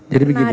jadi begini ya